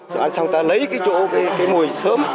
nó ăn xong ta lấy cái chỗ cái mồi sớm